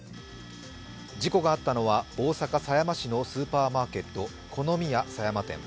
事故があったのは大阪・狭山市のスーパーマーケットコノミヤ狭山店。